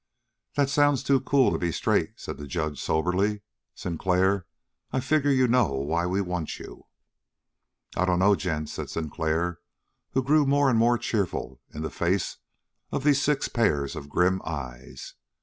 "That sounds too cool to be straight," said the judge soberly. "Sinclair, I figure you know why we want you?" "I dunno, gents," said Sinclair, who grew more and more cheerful in the face of these six pairs of grim eyes.